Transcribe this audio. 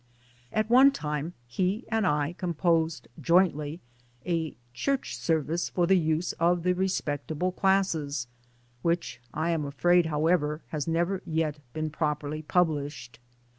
At one time he and I composed 1 jointly " A Church Service for the use of the Respectable Classes " which I am afraid however has never yet been properly published.